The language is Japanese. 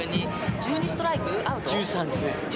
１３ストライクアウト。